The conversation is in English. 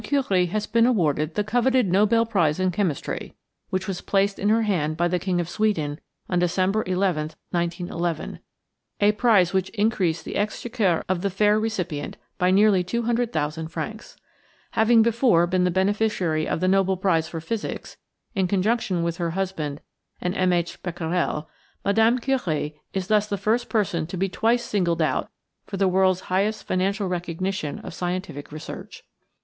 Curie has been awarded the coveted Nobel prize in chemistry, which was placed in her hand by the King of Sweden on December 11, 1911 a prize which increased the exchequer of the fair recipient by nearly two hundred thousand francs. Having before been the beneficiary of the Nobel prize for physics, in conjunction with her husband and M. H. Becquerel, Mme. Curie is thus the first person to be twice singled out for the world 's highest financial recognition of scientific research.